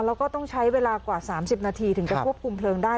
แล้วก็ต้องใช้เวลากว่า๓๐นาทีถึงจะควบคุมเพลิงได้